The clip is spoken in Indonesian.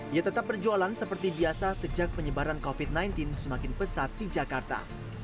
ia tetap berjualan seperti biasa sejak penyebaran covid sembilan belas semakin pesat di jakarta